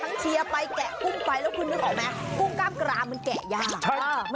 ทั้งเชียร์ไปแกะกุ้งไปแล้วคุณนึกออกไหม